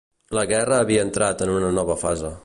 La guerra havia entrat en una nova fase.